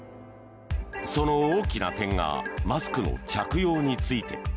その大きな点がマスクの着用について。